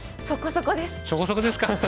そこそこですか。